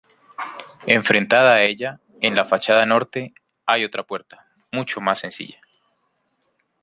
Enfrentada a ella, en la fachada norte, hay otra puerta, mucho más sencilla.